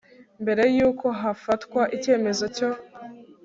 mbere y uko hafatwa icyemezo cyo